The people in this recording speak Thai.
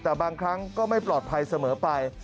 แต่บางครั้งก็ไม่ปลอดภัยเสมอไป